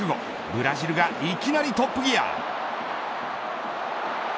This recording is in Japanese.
ブラジルがいきなりトップギア。